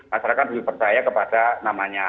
masyarakat lebih percaya kepada namanya